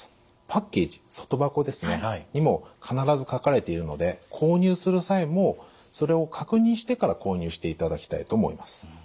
パッケージ外箱にも必ず書かれているので購入する際もそれを確認してから購入していただきたいと思います。